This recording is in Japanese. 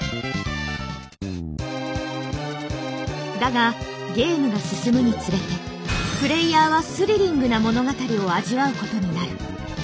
だがゲームが進むにつれてプレイヤーはスリリングな物語を味わうことになる。